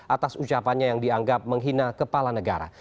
atas ucapannya yang dianggap menghina kepala negara